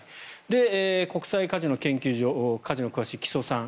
国際カジノ研究所カジノに詳しい木曽さん。